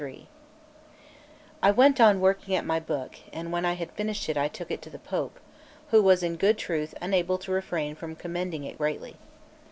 XCIII I WENT on working at my book, and when I had finished it I took it to the Pope, who was in good truth unable to refrain from commending it greatly.